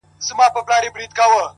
o د يوسفي حُسن شروع ته سرگردانه وو،